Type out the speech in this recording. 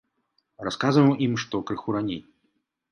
Расказваем ім, што крыху раней.